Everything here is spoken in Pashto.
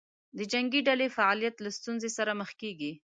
د جنګې ډلې فعالیت له ستونزې سره مخ کېږي.